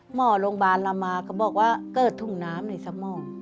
หมอโรงพยาบาลลามาก็บอกว่าเกิดถุงน้ำในสมอง